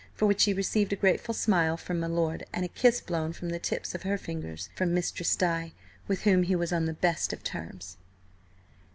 For which he received a grateful smile from my lord, and a kiss blown from the tips of her fingers from Mistress Di, with whom he was on the best of terms.